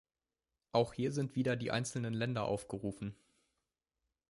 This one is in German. Auch hier sind wieder die einzelnen Länder aufgerufen.